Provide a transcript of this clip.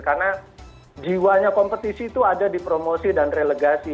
karena jiwanya kompetisi itu ada di promosi dan relegasi